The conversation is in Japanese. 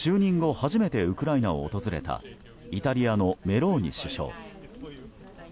初めてウクライナを訪れたイタリアのメローニ首相。